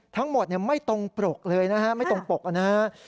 ทั้งหมดไม่ตรงปรกเลยนะฮะไม่ตรงปกนะฮะ